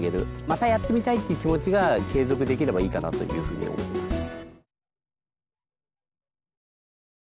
またやってみたいっていう気持ちが継続できればいいかなというふうに思ってます。